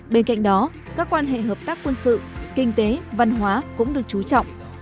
bên cạnh đó các quan hệ hợp tác quân sự kinh tế văn hóa cũng được trú trọng